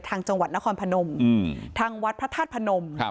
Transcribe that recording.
จังหวัดนครพนมทางวัดพระธาตุพนม